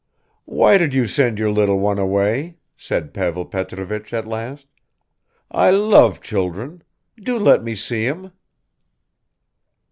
"Why did you send your little one away?" said Pavel Petrovich at last. "I love children; do let me see him."